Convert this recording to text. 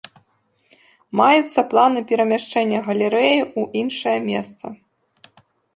Маюцца планы перамяшчэння галерэі ў іншае месца.